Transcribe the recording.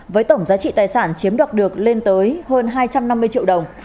với tổng giá trị tài sản chiếm đoạt được lên tới hơn hai trăm năm mươi triệu đồng